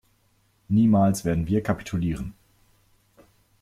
Niemals werden wir kapitulieren!